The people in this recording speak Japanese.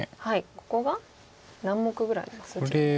ここが何目ぐらいあります？